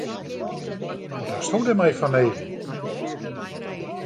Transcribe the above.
Wat hasto dêrmei fanneden?